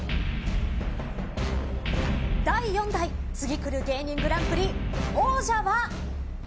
第４代ツギクル芸人グランプリ王者は。